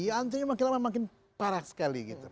ya antrinya makin lama makin parah sekali gitu